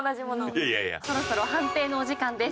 そろそろ判定のお時間です。